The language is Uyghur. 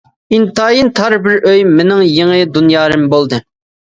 ئىنتايىن تار بىر ئۆي مېنىڭ يېڭى دۇنيايىم بولدى.